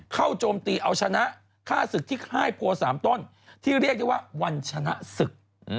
เข้าโจมตีเอาชนะฆ่าศึกทิกห้ายโพสามต้นที่เรียกว่าวันชนะศึก